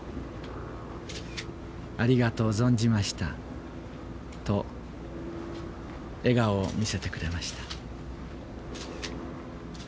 ありがとう存じましたと、笑顔を見せてくれました。